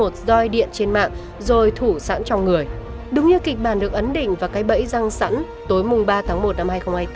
trước kịch bản được ấn đỉnh và cái bẫy răng sẵn tối mùng ba tháng một năm hai nghìn hai mươi bốn